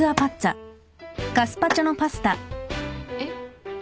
えっ？